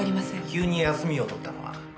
急に休みを取ったのは？